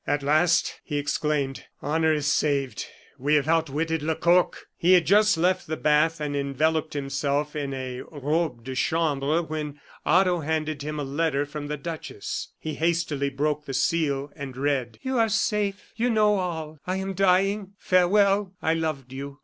"At last," he exclaimed, "honor is saved! We have outwitted Lecoq!" He had just left the bath, and enveloped himself in a robe de chambre, when Otto handed him a letter from the duchess. He hastily broke the seal and read: "You are safe. You know all. I am dying. Farewell. I loved you."